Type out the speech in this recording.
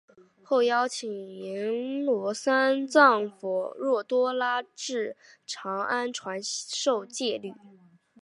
后邀请罽宾三藏弗若多罗至长安传授戒律。